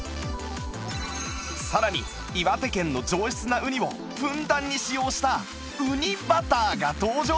さらに岩手県の上質なウニをふんだんに使用したうにバターが登場！